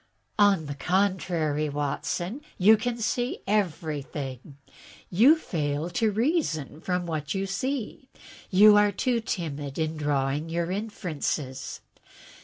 "On the contrary, Watson, you can see everything. You fail to reason from what you see. You are too timid in drawing your inferences."